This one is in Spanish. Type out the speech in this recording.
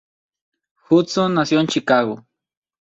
Judson nació en Chicago.